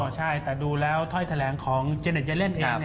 ใช่แต่ดูแล้วถ้อยแถลงของเจเน็ตเยเล่นเอง